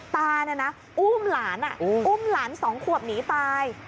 ตาอูมหลานอ่ะอุ้มหลาน๒ขวบหนีไป